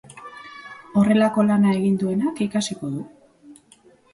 Horrelako lana egin duenak ikasiko du.